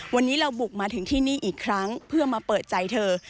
วันนี้เราบุกมาถึงที่นี่อีกครั้งเพื่อมาเปิดใจเธอ